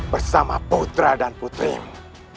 bersama putra dan putrimu